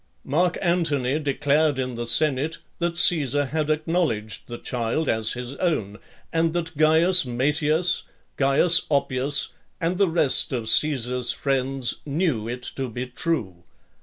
Mark Antony declared in the senate, that Caesar had acknowledged the child as his own; and that Caius Matias, Caius Oppius, and the rest of Caesar's friends knew it to be true.